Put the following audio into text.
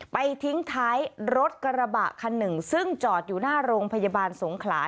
ไปทิ้งท้ายรถกระบะคันหนึ่งซึ่งจอดอยู่หน้าโรงพยาบาลสงขลา